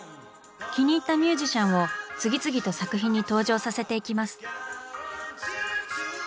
気に入ったミュージシャンを次々と作品に登場させていきます。